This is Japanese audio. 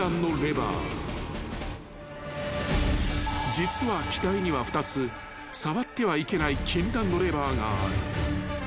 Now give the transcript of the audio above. ［実は機体には２つ触ってはいけない禁断のレバーがある］